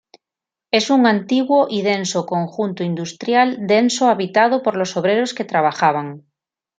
Es un antiguo y denso conjunto industrial denso habitado por los obreros que trabajaban.